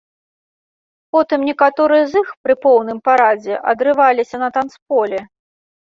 Потым некаторыя з іх пры поўным парадзе адрываліся на танцполе.